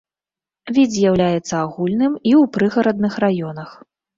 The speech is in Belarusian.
Від з'яўляецца агульным і ў прыгарадных раёнах.